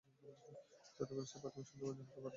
যাতে করে সে প্রাথমিক সন্দেহভাজন হতে পারে।